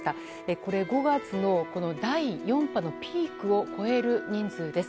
これ、５月の第４波のピークを超える人数です。